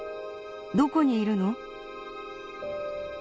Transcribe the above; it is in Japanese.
どこにいるの？」